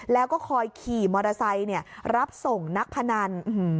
แล้วก็คอยขี่มอเตอร์ไซค์รับส่งนักพนัน